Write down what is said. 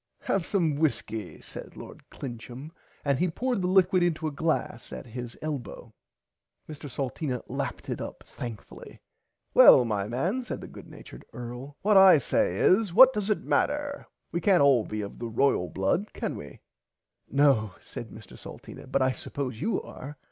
Have some whiskey said lord Clincham and he poured the liquid into a glass at his [Pg 54] elbow. Mr. Salteena lapped it up thankfully. Well my man said the good natured earl what I say is what dose it matter we cant all be of the Blood royal can we. No said Mr Salteena but I suppose you are.